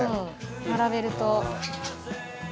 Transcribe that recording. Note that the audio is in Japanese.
並べると。